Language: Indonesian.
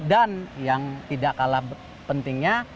yang tidak kalah pentingnya